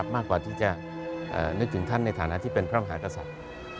มากกว่าที่จะนึกถึงท่านในฐานะที่เป็นพระมหากษัตริย์